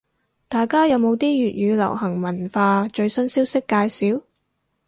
大家有冇啲粵語流行文化最新消息介紹？